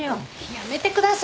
やめてください。